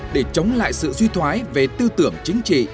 để chống lại sự suy thoái về tư tưởng chính trị